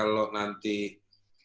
kita bisa mengatakan polisi itu independen